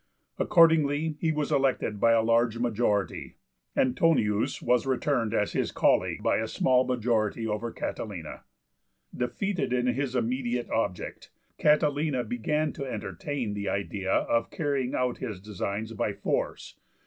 Accordingly, he was elected by a large majority. Antonius was returned as his colleague by a small majority over Catilina. Defeated in his immediate object, Catilina began to entertain the idea of carrying out his designs by force.